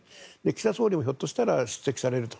岸田総理もひょっとしたら出席されると。